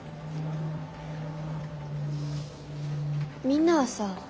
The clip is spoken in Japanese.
みんなはさ